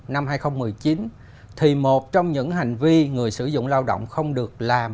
năm hai nghìn một mươi chín thì một trong những hành vi người sử dụng lao động không được làm